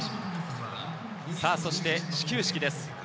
さぁ、そして始球式です。